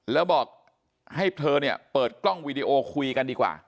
แล้วบอกให้เธอเนี่ยเปิดกล้องวีดีโอคุยกันดีกว่า